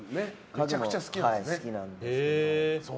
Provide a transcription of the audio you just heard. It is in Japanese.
めちゃくちゃ好きなんですよね。